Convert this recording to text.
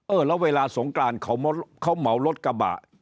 แล้วเวลาสงกรานเขาเหมารถกระบะ